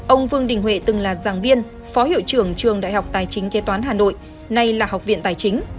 ông vương đình huệ từng là giảng viên phó hiệu trưởng trường đại học tài chính kế toán hà nội nay là học viện tài chính